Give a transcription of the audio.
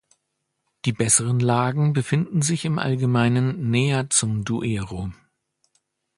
Die besseren Lagen befinden sich im Allgemeinen näher zum Duero.